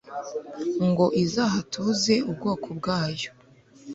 ngo izahatuze ubwoko bwayo